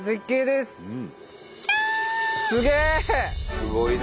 すごいな。